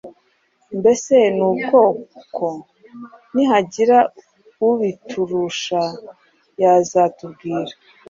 mbese n'ubwoko? Nihagira ubiturusha yazatubwira.